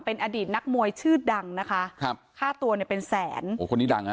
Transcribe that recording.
เป็นอดีตนักมวยชื่อดังนะคะครับค่าตัวเนี่ยเป็นแสนโอ้คนนี้ดังฮ